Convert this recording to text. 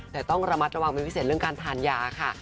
แต่ต้องระมัดระวังเป็นพิเศษเรื่องการทานยาค่ะ